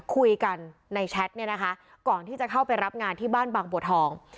คุยกันในแชทเนี่ยนะคะก่อนที่จะเข้าไปรับงานที่บ้านบางบัวทอง